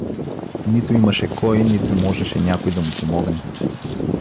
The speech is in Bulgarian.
Нито имаше кой, нито можеше някой да му помогне.